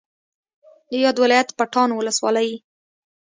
د یاد ولایت پټان ولسوالۍ